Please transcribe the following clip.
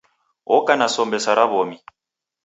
Woka na sombe sa ra w'omi.